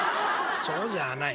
「そうじゃない。